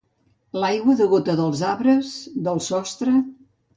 L'aigua degota dels arbres, del sostre.